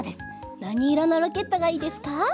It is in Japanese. なにいろのロケットがいいですか？